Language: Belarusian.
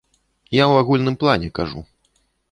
Я ў агульным плане кажу.